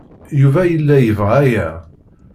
Yuba yella yebɣa aya.